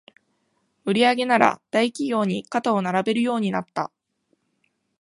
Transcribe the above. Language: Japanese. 売上なら大企業に肩を並べるようになった